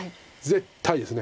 絶対です。